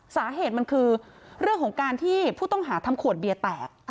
สาเหตุมันคือเรื่องของการที่ผู้ต้องหาทำขวดเบียร์แตก